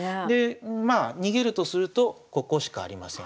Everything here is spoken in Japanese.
まあ逃げるとするとここしかありません。